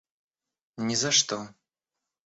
Ни за что!